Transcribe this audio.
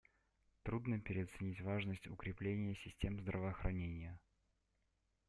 Трудно переоценить важность укрепления систем здравоохранения.